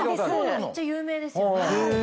めっちゃ有名ですよね。